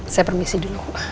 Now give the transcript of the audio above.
saya permisi dulu